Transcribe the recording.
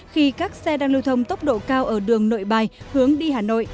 khi các xe đang lưu thông tốc độ cao ở đường nội bài hướng đi hà nội